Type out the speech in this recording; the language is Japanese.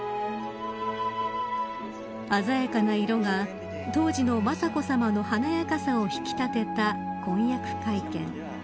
鮮やかな色が当時の雅子さまの華やかさを引き立てた婚約会見。